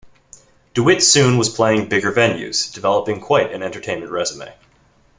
DeWitt soon was playing bigger venues, developing quite an entertainment resume.